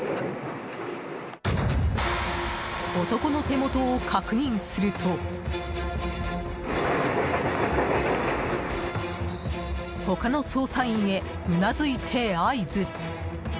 男の手元を確認すると他の捜査員へうなずいて合図。